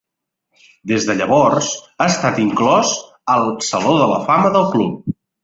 Des de llavors ha estat inclòs al Saló de la Fama del club.